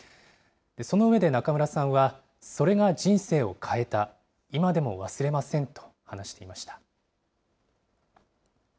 その上で中村さんは、それが人生を変えた、今でも忘れませんと話していました。